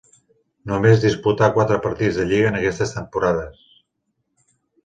Només disputà quatre partits de lliga en aquestes temporades.